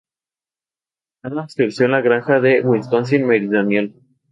Adams creció en una granja en Wisconsin meridional.